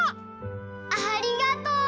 ありがとう！